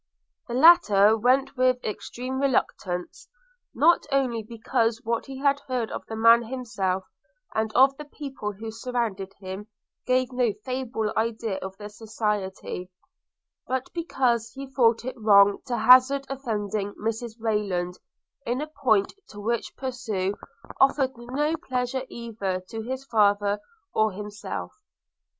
The latter went with extreme reluctance; not only because what he had heard of the man himself, and of the people who surrounded him, gave no favourable idea of the society; but because he thought it wrong to hazard offending Mrs Rayland, in a point which to pursue, afforded no pleasure either to his father or himself.